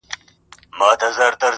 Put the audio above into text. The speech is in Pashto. • زه سبا سبا کومه لا منلي مي وعدې دي -